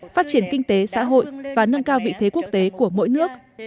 phát triển kinh tế xã hội và nâng cao vị thế quốc tế của mỗi nước